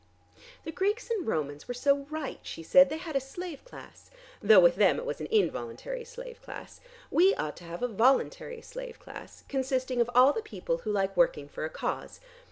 "The Greeks and Romans were so right," she said, "they had a slave class, though with them it was an involuntary slave class. We ought to have a voluntary slave class, consisting of all the people who like working for a cause.